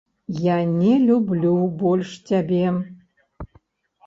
Я не люблю больш цябе!